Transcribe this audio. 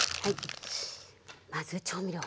まず調味料。